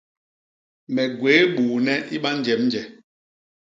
Me gwéé buune i banjemnje.